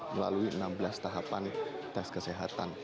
melalui enam belas tahapan tes kesehatan